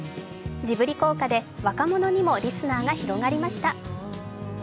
ジブリ効果で若者にもリスナーが広がりました。